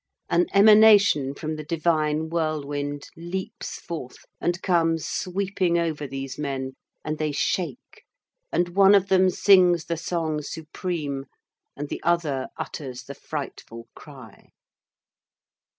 An emanation from the divine whirlwind leaps forth and comes sweeping over these men, and they shake, and one of them sings the song supreme, and the other utters the frightful cry.